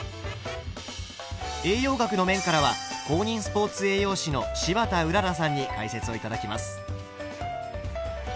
栄養学の面からは公認スポーツ栄養士の柴田麗さんに解説を頂きます。